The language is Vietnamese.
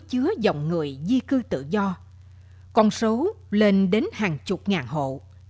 và túi chứa dòng người di cư tự do con số lên đến hàng chục ngàn hộ